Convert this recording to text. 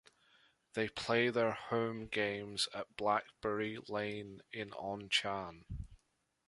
They play their home games at Blackberry Lane in Onchan.